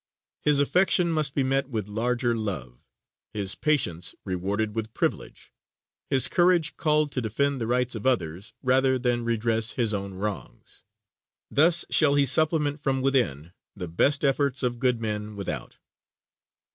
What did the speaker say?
His affection must be met with larger love; his patience rewarded with privilege; his courage called to defend the rights of others rather than redress his own wrongs. Thus shall he supplement from within the best efforts of good men without.